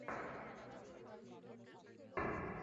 কিছু জানতে পারলে জানাবেন।